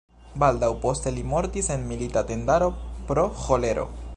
Baldaŭ poste li mortis en milita tendaro pro ĥolero.